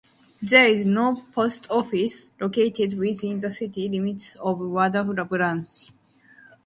There is no post office located within the city limits of Woodbranch.